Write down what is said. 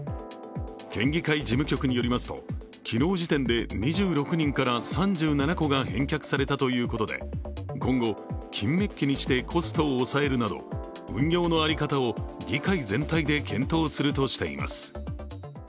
県議会事務局によりますと昨日時点で２６人から３７個が返却されたということで今後、金メッキにしてコストを抑えるなど運用の在り方を議会全体で検討するとしています。